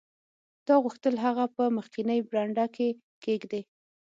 تا غوښتل هغه په مخکینۍ برنډه کې کیږدې